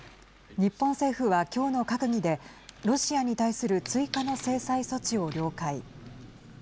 日本政府は今日の閣議でロシアに対する追加の制裁措置を了解。